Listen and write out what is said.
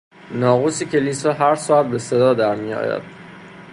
ناقوس کلیسا هر ساعت به صدا درمیآید.